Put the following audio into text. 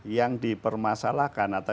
yang dipermasalahkan atau